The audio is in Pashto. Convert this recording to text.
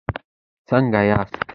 څنګه یاست؟